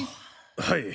はい。